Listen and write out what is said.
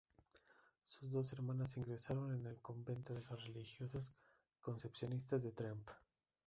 Sus dos hermanas ingresaron en el convento de las religiosas Concepcionistas de Tremp.